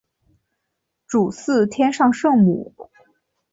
主祀天上圣母。